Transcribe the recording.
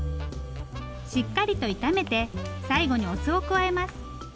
しっかりと炒めて最後にお酢を加えます。